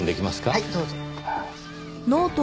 はいどうぞ。